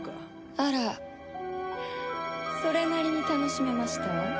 あらそれなりに楽しめましたわ。